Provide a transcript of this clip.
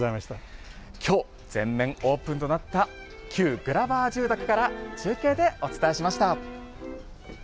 きょう、全面オープンとなった旧グラバー住宅から中継でお伝えしました。